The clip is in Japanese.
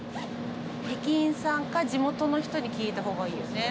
駅員さんか地元の人に聞いたほうがいいよね。